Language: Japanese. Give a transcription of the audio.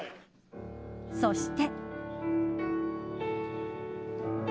そして。